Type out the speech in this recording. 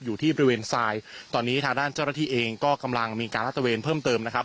อยู่ที่บริเวณทรายตอนนี้ทางด้านเจ้าหน้าที่เองก็กำลังมีการลาดตะเวนเพิ่มเติมนะครับ